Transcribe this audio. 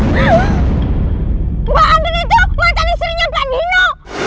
mbak andin itu mantan istrinya paninu